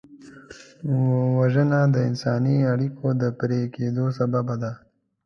وژنه د انساني اړیکو د پرې کېدو سبب ده